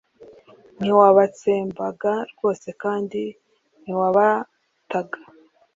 ntiwabatsembaga rwose kandi ntiwabataga